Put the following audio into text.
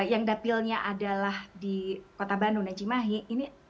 yang dapilnya adalah di kota bandung necimahi ini nampaknya akan lebih bisa memperbaiki